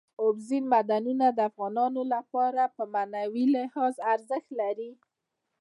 اوبزین معدنونه د افغانانو لپاره په معنوي لحاظ ارزښت لري.